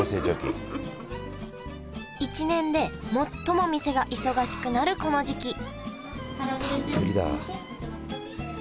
１年で最も店が忙しくなるこの時期たっぷりだ。